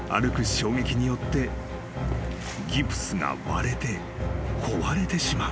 衝撃によってギプスが割れて壊れてしまう］